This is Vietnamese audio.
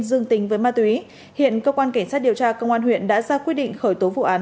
dương tính với ma túy hiện cơ quan cảnh sát điều tra công an huyện đã ra quyết định khởi tố vụ án